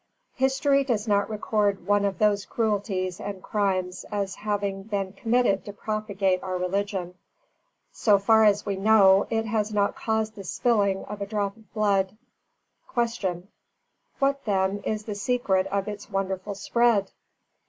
History does not record one of those cruelties and crimes as having been committed to propagate our religion. So far as we know, it has not caused the spilling of a drop of blood. (See footnote ante Professor Kolb's testimony.) 282. Q. _What, then, is the secret of its wonderful spread?